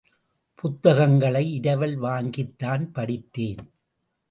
புத்தகங்களை இரவல் வாங்கித் தான் படித்தேன்.